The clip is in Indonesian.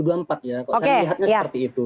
kalau saya melihatnya seperti itu